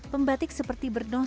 pembatik seperti bernosta